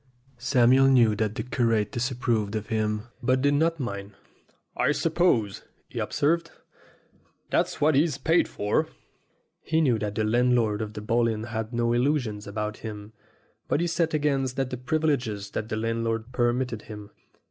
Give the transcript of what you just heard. Samuel knew that the curate disapproved of him, but did not mind. "I suppose," he observed, "that's what he's paid for." He knew that the landlord of the Bull Inn had no illusions about him, but he set against that the privileges that the landlord permitted him.